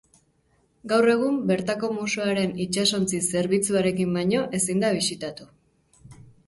Gaur egun bertako museoaren itsasontzi zerbitzuarekin baino ezin da bisitatu.